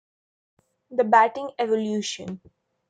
The batting evolution.